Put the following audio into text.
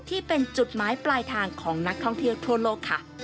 ที่เป็นจุดหมายปลายทางของนักท่องเที่ยวทั่วโลกค่ะ